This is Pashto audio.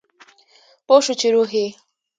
پوه شو چې روح یې